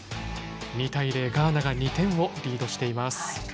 ２対０ガーナが２点をリードしています。